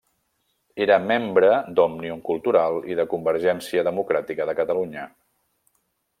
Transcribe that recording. Era membre d'Òmnium Cultural i de Convergència Democràtica de Catalunya.